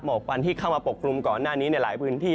กวันที่เข้ามาปกคลุมก่อนหน้านี้ในหลายพื้นที่